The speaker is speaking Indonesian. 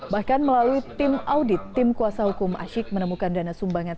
bahkan melalui tim audit tim kuasa hukum asyik menemukan dana sumbangan